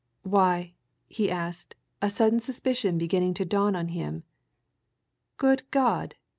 "Why!" he asked, a sudden suspicion beginning to dawn on him. "Good God!